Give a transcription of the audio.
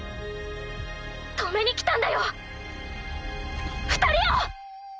止めに来たんだよ２人を！